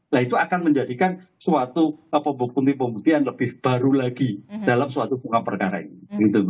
nah itu akan menjadikan suatu pembukti pembuktian lebih baru lagi dalam suatu bunga perkara ini